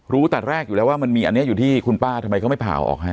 แต่แรกอยู่แล้วว่ามันมีอันนี้อยู่ที่คุณป้าทำไมเขาไม่ผ่าออกให้